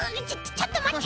ちょっとまって。